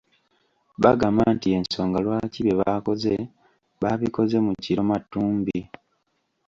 Bagamba nti y'ensonga lwaki bye baakoze baabikoze mu kiro matumbi.